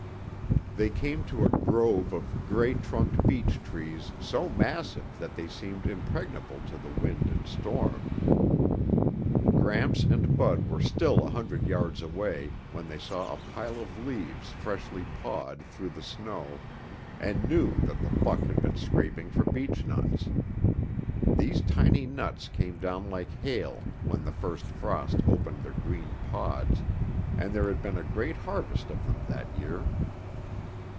They came to a grove of gray trunked beech trees so massive that they seemed impregnable to the wind and storm. Gramps and Bud were still a hundred yards away when they saw a pile of leaves freshly pawed through the snow and knew that the buck had been scraping for beech nuts. These tiny nuts came down like hail when the first frost opened their green pods, and there had been a great harvest of them that year.